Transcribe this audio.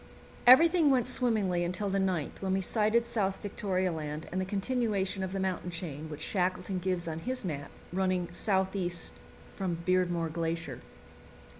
Everything went swimmingly until the 9th, when we sighted South Victoria Land and the continuation of the mountain chain, which Shackleton gives on his map, running southeast from Beardmore Glacier.